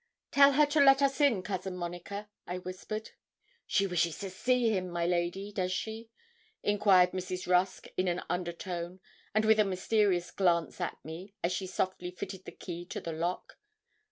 'Tell her to let us in, Cousin Monica,' I whispered. 'She wishes to see him, my lady does she?' enquired Mrs. Rusk, in an under tone, and with a mysterious glance at me, as she softly fitted the key to the lock.